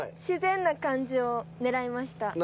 自然な感じを狙いました。